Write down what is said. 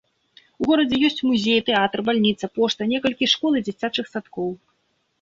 У горадзе ёсць музей, тэатр, бальніца, пошта, некалькі школ і дзіцячых садкоў.